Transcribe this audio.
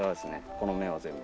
この芽は全部。